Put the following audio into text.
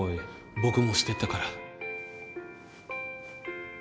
僕もしてたから